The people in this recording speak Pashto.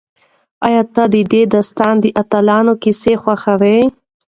ایا ته د دې داستان د اتلانو کیسې خوښوې؟